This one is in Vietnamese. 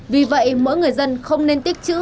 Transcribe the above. vì vậy mỗi người dân không nên tích chữ